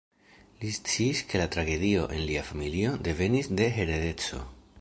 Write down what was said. Li sciis, ke la tragedio en lia familio devenis de heredeco.